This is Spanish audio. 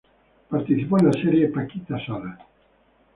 Participó en la serie Paquita Salas.